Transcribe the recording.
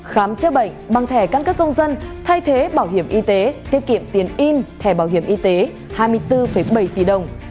khám chữa bệnh bằng thẻ căn cước công dân thay thế bảo hiểm y tế tiết kiệm tiền in thẻ bảo hiểm y tế hai mươi bốn bảy tỷ đồng